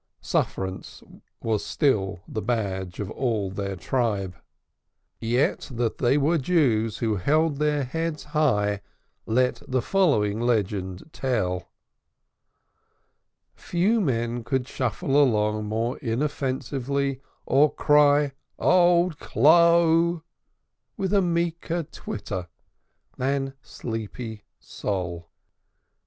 Sufferance was still the badge of all their tribe. Yet that there were Jews who held their heads high, let the following legend tell: Few men could shuffle along more inoffensively or cry "Old Clo'" with a meeker twitter than Sleepy Sol.